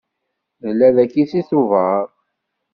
Nella dagi seg Tubeṛ.